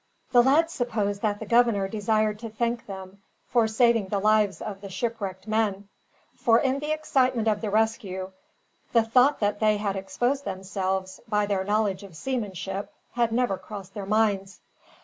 The lads supposed that the governor desired to thank them, for saving the lives of the shipwrecked men; for in the excitement of the rescue, the thought that they had exposed themselves by their knowledge of seamanship had never crossed their minds.